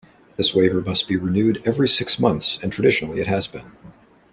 This waiver must be renewed every six months and traditionally it has been.